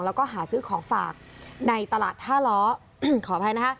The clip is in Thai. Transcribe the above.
แล้วก็หาซื้อของฝากในตลาดท่าล้อขออภัยนะคะ